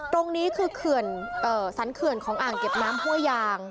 ตรงนี้คือสรรเขื่อนของอ่างเก็บน้ำห้วยยาง